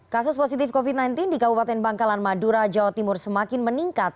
kasus positif covid sembilan belas di kabupaten bangkalan madura jawa timur semakin meningkat